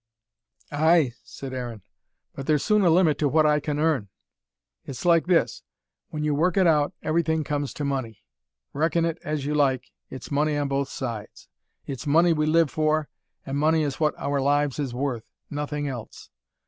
"Ay," said Aaron. "But there's soon a limit to what I can earn. It's like this. When you work it out, everything comes to money. Reckon it as you like, it's money on both sides. It's money we live for, and money is what our lives is worth nothing else.